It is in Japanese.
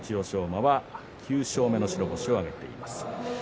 馬は９勝目の白星を挙げています。